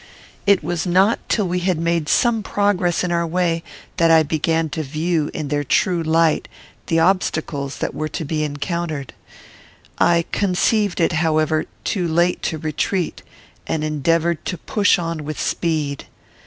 It was not till we had made some progress in our way, that I began to view, in their true light, the obstacles that were to be encountered. I conceived it, however, too late to retreat, and endeavoured to push on with speed.